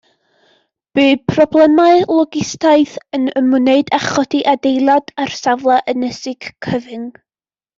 Bu problemau logistaidd yn ymwneud â chodi adeilad ar safle ynysig cyfyng.